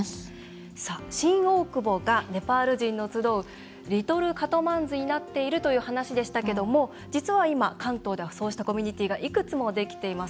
新大久保がネパール人の集うリトル・カトマンズになっているという話でしたけども実は今、関東ではそうしたコミュニティーがいくつも、できています。